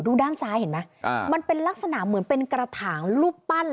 ด้านซ้ายเห็นไหมมันเป็นลักษณะเหมือนเป็นกระถางรูปปั้น